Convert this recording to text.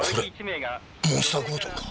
これモンスター強盗か？